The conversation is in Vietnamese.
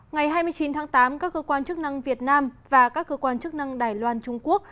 ngày hai mươi chín tháng tám các cơ quan chức năng việt nam và các cơ quan chức năng đài loan trung quốc